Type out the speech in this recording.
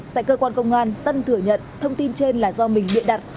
tại cơ quan công an tân thừa nhận thông tin trên là do mình biện đặt